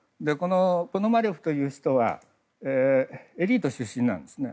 ポノマレフという人はエリート出身なんですね。